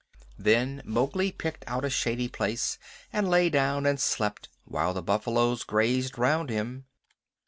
Then Mowgli picked out a shady place, and lay down and slept while the buffaloes grazed round him.